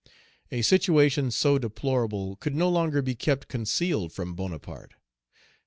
A situation so deplorable could no longer be kept concealed from Bonaparte.